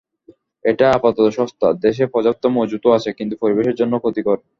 এটা আপাতত সস্তা, দেশে পর্যাপ্ত মজুতও আছে, কিন্তু পরিবেশের জন্য ক্ষতিকর।